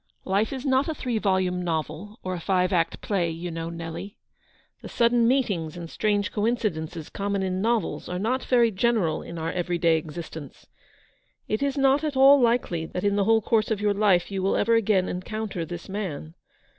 Life is not a three volume novel or a five act play, you know, Nelly. The sudden meetings and strange coin cidences common in novels are not very general RICHARD THORNTONS PROMISE. 233 iu our every day existence. It is not at all likely that in the whole course of your life you will ever again encounter this man.